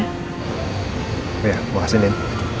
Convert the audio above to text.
oh iya makasih nen